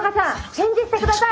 返事して下さい！